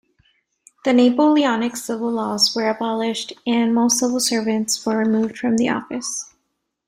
The Napoleonic civil laws were abolished, and most civil servants were removed from office.